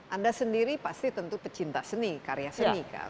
anda sendiri pasti tentu pecinta seni karya seni kan